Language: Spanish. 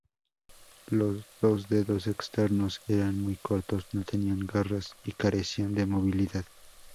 Los dos dedos externos eran muy cortos, no tenían garras y carecían de movilidad.